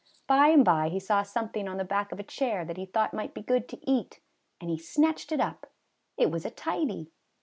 By and by he saw something on the back of a chair that he thought might be good to eat, and he snatched it up. It was a tidy